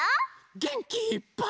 げんきいっぱい。